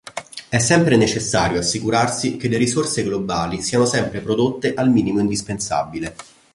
È sempre necessario assicurarsi che le risorse globali siano sempre prodotte al minimo indispensabile.